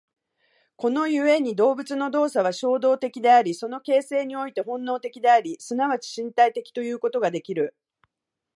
この故に動物の動作は衝動的であり、その形成において本能的であり、即ち身体的ということができる。